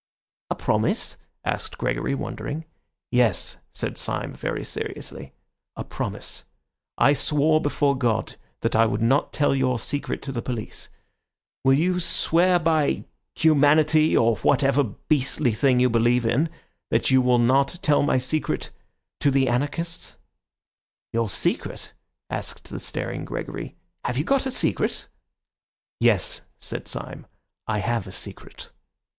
"A promise?" asked Gregory, wondering. "Yes," said Syme very seriously, "a promise. I swore before God that I would not tell your secret to the police. Will you swear by Humanity, or whatever beastly thing you believe in, that you will not tell my secret to the anarchists?" "Your secret?" asked the staring Gregory. "Have you got a secret?" "Yes," said Syme, "I have a secret."